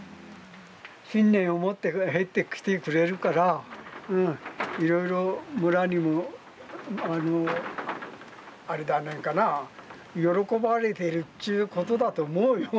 信念を持って入ってきてくれるからいろいろ村にもあれだねえかな喜ばれてるっちゅうことだと思うよ。